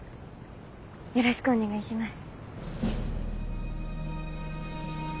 よろしくお願いします。